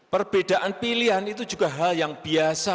perbedaan pilihan itu juga hal yang biasa